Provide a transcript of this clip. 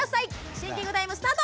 シンキングタイムスタート！